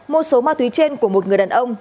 mua số ma túy trên của một người đàn ông